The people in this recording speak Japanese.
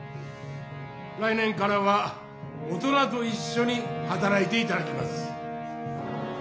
来年からは大人といっしょにはたらいていただきます」。